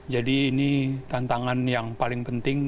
jadi ini tantangan yang paling penting